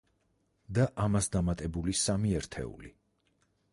და ამას დამატებული სამი ერთეული.